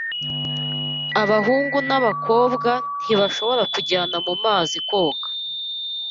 Abahungu n’abakobwa ntibashobora kujyana mu mazi koga,